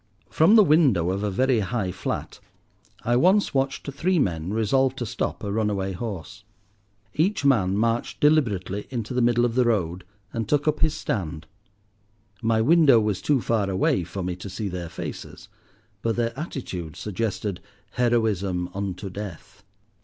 From the window of a very high flat I once watched three men, resolved to stop a runaway horse. Each man marched deliberately into the middle of the road and took up his stand. My window was too far away for me to see their faces, but their attitude suggested heroism unto death.